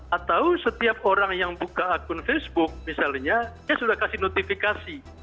atau setiap orang yang buka akun facebook misalnya dia sudah kasih notifikasi